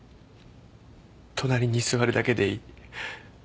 隣に座るだけでいい。